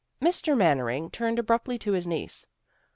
Mr. Mannering turned abruptly to his niece.